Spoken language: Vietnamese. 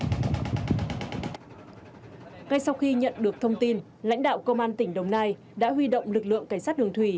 ngay sau khi nhận được thông tin lãnh đạo công an tỉnh đồng nai đã huy động lực lượng cảnh sát đường thủy